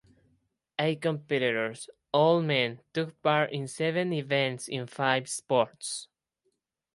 Eight competitors, all men, took part in seven events in five sports.